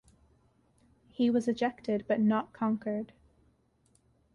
He was ejected but not conquered.